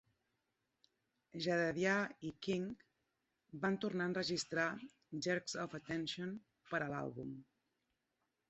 Jedediah y King van tornar a enregistrar "Jerks of attention" per a l'àlbum.